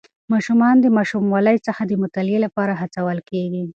ماشومان د ماشوموالي څخه د مطالعې لپاره هڅول کېږي.